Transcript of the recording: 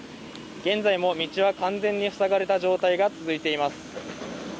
現在も道は完全に塞がれた状態が続いています